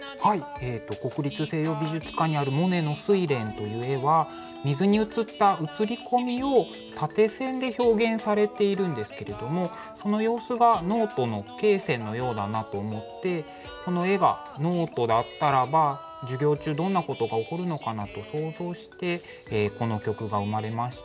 国立西洋美術館にあるモネの「睡蓮」という絵は水に映った映り込みを縦線で表現されているんですけどもその様子がノートの罫線のようだなと思ってこの絵がノートだったらば授業中どんなことが起こるのかなと想像してこの曲が生まれました。